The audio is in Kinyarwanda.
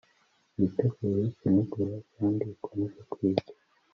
witegure kunegura kandi ukomeze kwiga